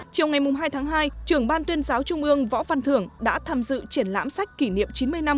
chiều ngày hai tháng hai trưởng ban tuyên giáo trung ương võ văn thưởng đã tham dự triển lãm sách kỷ niệm chín mươi năm